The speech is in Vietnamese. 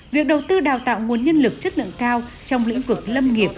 việc đầu tư đào tạo nguồn nhân lực chất lượng cao trong lĩnh vực lâm nghiệp